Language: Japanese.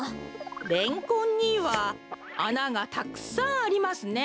レンコンにはあながたくさんありますね。